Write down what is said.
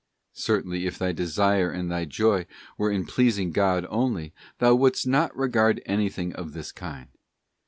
Certainly, if thy desire and thy joy were in pleasing God only, thou wouldest not regard anything of this kind.